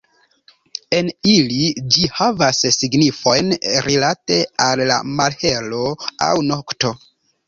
En ili ĝi havas signifojn rilate al malhelo aŭ nokto.